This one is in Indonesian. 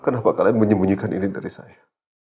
kenapa kalian menyembunyikan ini dari saya